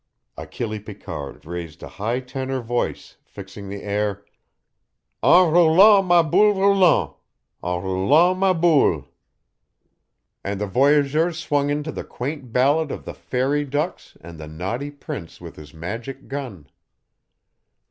Achille Picard raised a high tenor voice, fixing the air, "En roulant ma boule roulante, En roulant ma boule." And the voyageurs swung into the quaint ballad of the fairy ducks and the naughty prince with his magic gun.